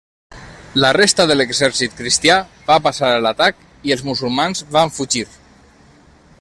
La resta de l'exèrcit cristià va passar a l'atac i els musulmans van fugir.